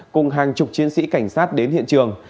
cùng hàng chục chiến sĩ cảnh sát đến hiện trường